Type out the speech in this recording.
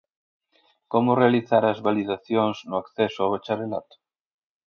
¿Como realizar as validacións no acceso ao bacharelato?